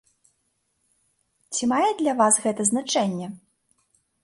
Ці мае для вас гэта значэнне?